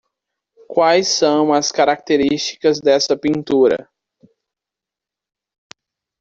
Quais são as característivas dessa pintura.